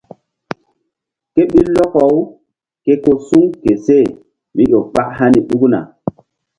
Ké ɓil lɔkɔ-u ke ko suŋ ke seh mí ƴo kpak hani ɗukna.